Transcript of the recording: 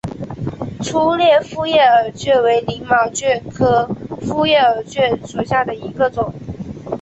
粗裂复叶耳蕨为鳞毛蕨科复叶耳蕨属下的一个种。